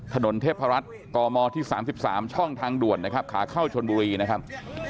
ถนนเทพรัฐกมที่๓๓ช่องทางด่วนนะครับขาเข้าชนบุรีนะครับ